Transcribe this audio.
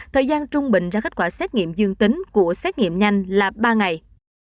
thời gian trung bình ra kết quả xét nghiệm dương tính của xét nghiệm nhanh là ba ngày